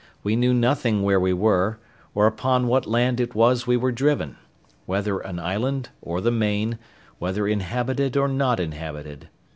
We knew nothing where we were, or upon what land it was we were driven—whether an island or the main, whether inhabited or not inhabited.